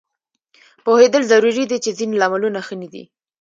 پوهېدل ضروري دي چې ځینې لاملونه ښه نه دي